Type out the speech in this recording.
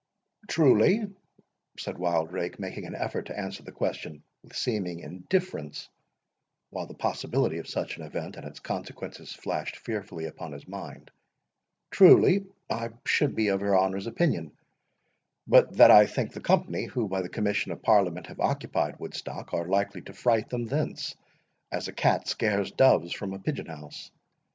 "Truly," said Wildrake, making an effort to answer the question with seeming indifference, while the possibility of such an event, and its consequences, flashed fearfully upon his mind,—"Truly, I should be of your honour's opinion, but that I think the company, who, by the commission of Parliament, have occupied Woodstock, are likely to fright them thence, as a cat scares doves from a pigeon house.